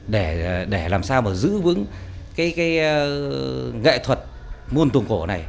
để làm sao mà giữ vững cái nghệ thuật muôn tuồng cổ này